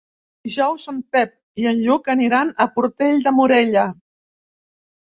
Dijous en Pep i en Lluc aniran a Portell de Morella.